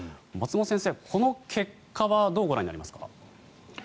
松本先生、この結果はどうご覧になりますか？